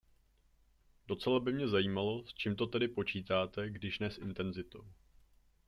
Docela by mě zajímalo, s čím to tedy počítate, když ne s intenzitou.